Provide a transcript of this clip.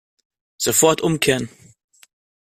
Sofort umkehren!